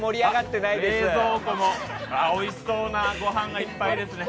冷蔵庫も、おいしそうなごはんがいっぱいですね。